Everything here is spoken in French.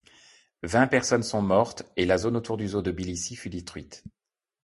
Vingt personnes sont mortes et la zone autour du zoo de Tbilissi fut détruite.